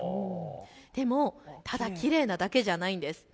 でも、ただきれいなだけじゃないんです。